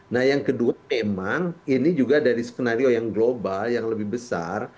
nah yang kedua memang ini juga dari skenario yang global yang lebih besar